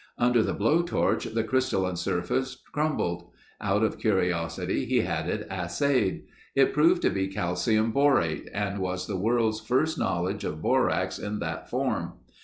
Under the blow torch the crystalline surface crumbled. Out of curiosity he had it assayed. It proved to be calcium borate and was the world's first knowledge of borax in that form.